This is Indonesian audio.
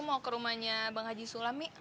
lo mau ke rumahnya bang haji sulam mi